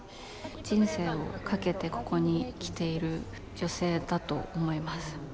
人生をかけてここに来ている女性だと思います。